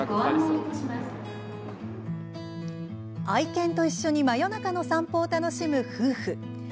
愛犬と一緒に真夜中の散歩を楽しむ夫婦。